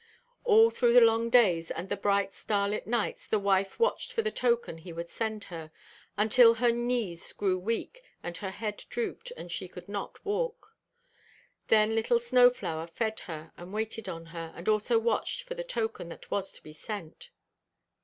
All through the long days and the bright starlit nights the wife watched for the token he would send her, until her knees grew weak, and her head drooped, and she could not walk. Then little Snow flower fed her, and waited on her, and also watched for the token that was to be sent.